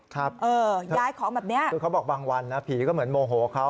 ครับคือเขาบอกบางวันนะผีก็เหมือนโมโหเขา